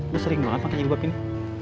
gue sering banget pake jilbab ini